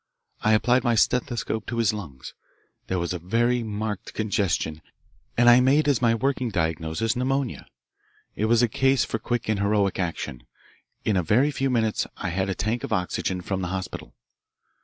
I applied my stethoscope to his lungs. There was a very marked congestion, and I made as my working diagnosis pneumonia. It was a case for quick and heroic action. In a very few minutes I had a tank of oxygen from the hospital.